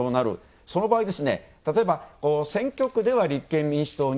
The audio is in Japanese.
その場合、例えば、選挙区では立憲民主党に。